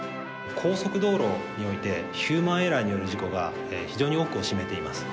高速道路においてヒューマンエラーによる事故が非常に多くを占めています。